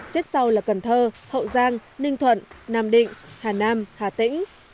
xếp sau là cần thơ hậu giang ninh thuận nam định hà nam hà tĩnh